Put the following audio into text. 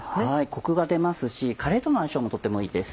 コクが出ますしカレーとの相性もとてもいいです。